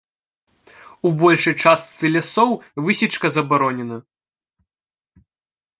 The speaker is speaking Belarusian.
У большай частцы лясоў высечка забаронена.